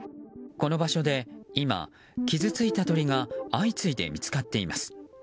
この場所で今、傷ついた鳥が相次いで見つかっています。